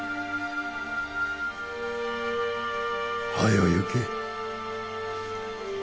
早う行け。